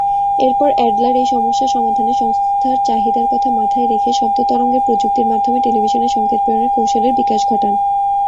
এরপর অ্যাডলার এই সমস্যার সমাধানে সংস্থার চাহিদার কথা মাথায় রেখে শব্দ তরঙ্গের প্রযুক্তির মাধ্যমে টেলিভিশনে সঙ্কেত প্রেরণের কৌশলের বিকাশ ঘটান।